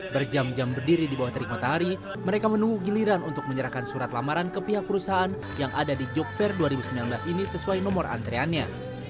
berjam jam berdiri di bawah terik matahari mereka menunggu giliran untuk menyerahkan surat lamaran ke pihak perusahaan yang ada di job fair dua ribu sembilan belas ini sesuai nomor antriannya